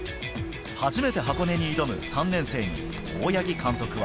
初めて箱根に挑む３年生に、大八木監督は。